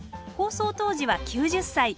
放送当時は９０歳。